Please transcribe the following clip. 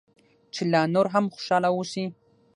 چې لا نور هم خوشاله واوسې.